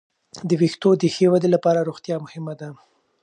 د وېښتو د ښې ودې لپاره روغتیا مهمه ده.